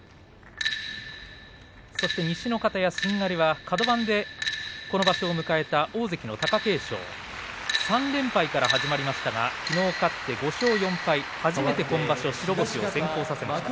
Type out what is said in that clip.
そして西の方屋しんがりはカド番でこの場所を迎えた大関の貴景勝３連敗から始まりましたがきのう勝って５勝４敗初めて今場所白星を先行させました。